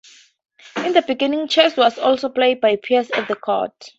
In the beginning chess was only played by peers at the court.